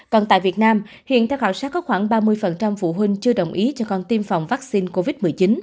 còn tại việt nam hiện theo khảo sát có khoảng ba mươi phụ huynh chưa đồng ý cho con tiêm phòng vaccine covid một mươi chín